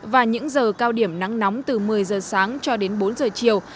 và những giờ cao điểm nắng nóng từ một mươi giờ sáng cho đến bốn giờ chiều